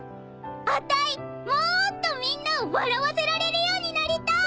あたいもっとみんなを笑わせられるようになりたい！